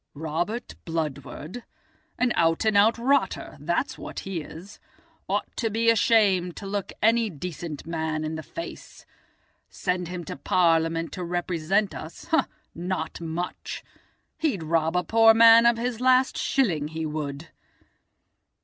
"Robert Bludward? An out an' out rotter, that's what he is. Ought to be ashamed to look any decent man in the face. Send him to Parliament to represent us—not much! He'd rob a poor man of his last shilling, he would."